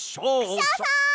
クシャさん！